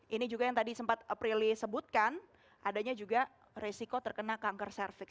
ini juga yang tadi sempat aprili sebutkan adanya juga resiko terkena kanker cervix